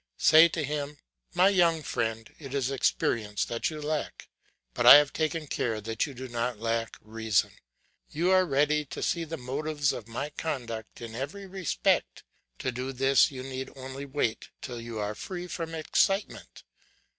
Say to him, "My young friend, it is experience that you lack; but I have taken care that you do not lack reason. You are ready to see the motives of my conduct in every respect; to do this you need only wait till you are free from excitement.